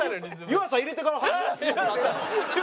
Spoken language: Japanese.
「湯浅入れてから」。